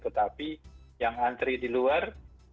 tetapi yang antri di luar